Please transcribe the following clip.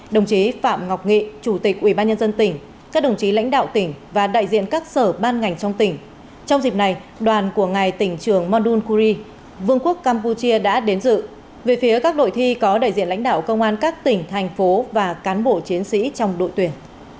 đồng chí phạm ngọc nghị chủ tịch ubnd tỉnh các đồng chí lãnh đạo tỉnh và đại diện các sở ban ngành trong tỉnh trong dịp này đoàn của ngài tỉnh trường mondun kuri vương quốc campuchia đã đến dự về phía các đội thi có đại diện lãnh đạo công an các tỉnh thành phố và cán bộ chiến sĩ trong đội tuyển